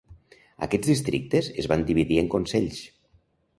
Aquests districtes es van dividir en consells.